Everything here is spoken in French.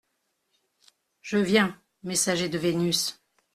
Je viens, messager de Vénus…